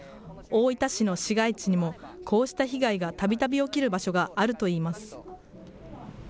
大分市の市街地にも、こうした被害がたびたび起きる場所があるといいます。